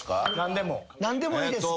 何でもいいです。